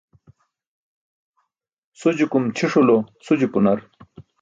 Sujukum ćʰisulo suju-punar.